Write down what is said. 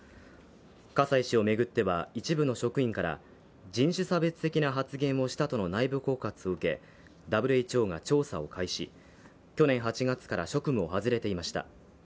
葛西氏を巡っては、一部の職員から人種差別的な発言をしたとの内部告発を受け、ＷＨＯが調査を開始、去年８月から職務を外れていました。